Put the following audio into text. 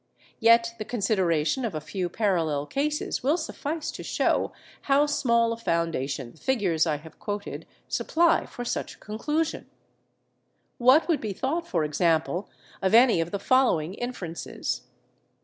Yet the consideration of a few parallel cases will suffice to show how small a foundation the figures I have quoted supply for such a conclusion. What would be thought, for example, of any of the following inferences?